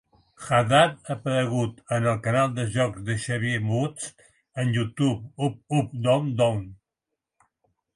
Haddad ha aparegut en el canal de jocs de Xavier Woods en YouTube "UpUpDownDown".